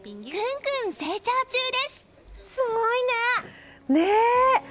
すごいね！